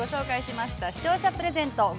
◆視聴者プレゼント